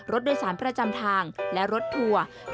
รถโดยสารประจำทางและรถทัวร์